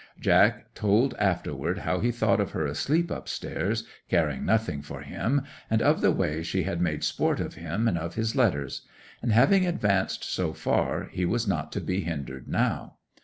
Jack told afterward how he thought of her asleep upstairs, caring nothing for him, and of the way she had made sport of him and of his letters; and having advanced so far, he was not to be hindered now.